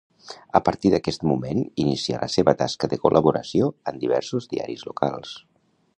A partir d'aquest moment inicia la seva tasca de col·laboració amb diversos diaris locals.